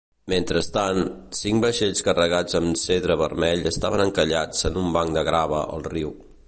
Mentrestant, cinc vaixells carregats amb cedre vermell estaven encallats en un banc de grava al riu.